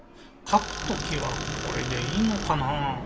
かくときはこれでいいのかなぁ？